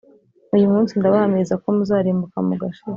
uyu munsi ndabahamiriza ko muzarimbuka mugashira.